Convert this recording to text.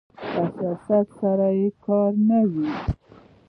له سیاست سره یې کار نه و.